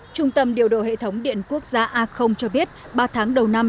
trung tâm điều độ hệ thống điện quốc gia a cho biết ba tháng đầu năm